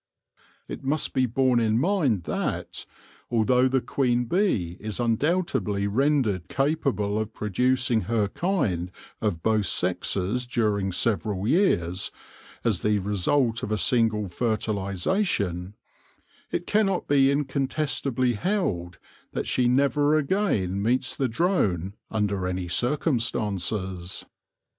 It must be borne in mind that, although the queen bee is undoubtedly rendered capable of producing her kind of both sexes during several years, as the result of a single fertilisation, it cannot be incontestably held that she never again meets the drone under any circumstances.